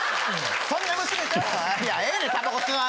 そんな娘ちゃうわ。